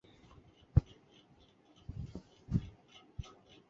সিংকটা দেখে তো অন্য কিছু মনে হচ্ছে।